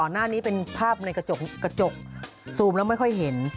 หน้านี้เป็นภาพในกระจกซูมแล้วไม่ค่อยเห็น